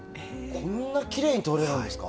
こんなきれいに撮れるんですか。